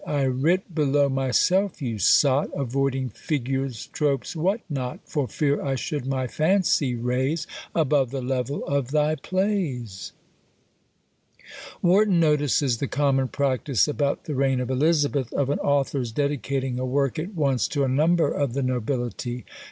I writ below myself, you sot! Avoiding figures, tropes, what not; For fear I should my fancy raise Above the level of thy plays! Warton notices the common practice, about the reign of Elizabeth, of an author's dedicating a work at once to a number of the nobility.